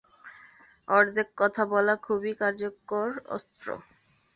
অর্ধেক কথা বলা খুবই কার্যকর অস্ত্র।